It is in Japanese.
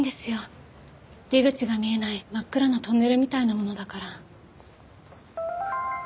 出口が見えない真っ暗なトンネルみたいなものだから。